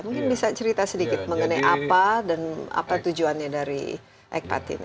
mungkin bisa cerita sedikit mengenai apa dan apa tujuannya dari ekpat ini